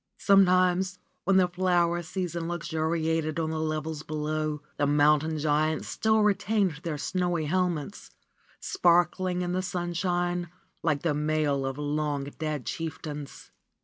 Sometimes when the flower season luxuriated on the levels below, the moun tain giants still retained their snowy helmets, sparkling in the sunshine like the mail of long dead chieftains.